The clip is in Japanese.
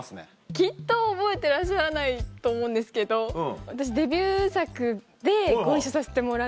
きっと覚えてらっしゃらないと思うんですけど私デビュー作でご一緒させてもらっていて。